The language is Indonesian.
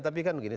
tapi kan begini